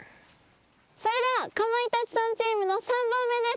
それではかまいたちさんチームの３本目です。